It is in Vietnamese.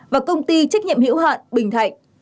và công ty trách nhiệm hiểu hạn bình thạnh